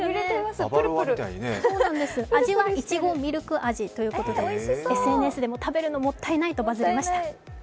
味はイチゴミルク味ということでＳＮＳでも食べるのもったいないとバズりました。